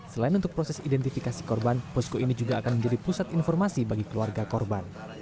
selain untuk proses identifikasi korban posko ini juga akan menjadi pusat informasi bagi keluarga korban